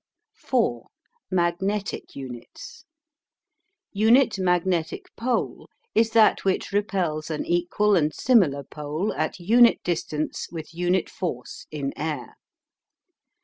IV. MAGNETIC UNITS. UNIT MAGNETIC POLE is that which repels an equal and similar pole at unit distance with unit force in air.